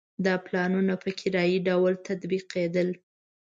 دا پلانونه په کرایي ډول تطبیقېدل.